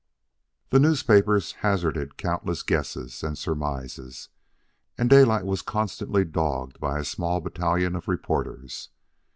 The newspapers hazarded countless guesses and surmises, and Daylight was constantly dogged by a small battalion of reporters.